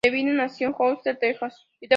Devine nació en Houston, Texas.